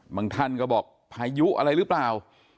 ท่านก็บอกพายุอะไรหรือเปล่า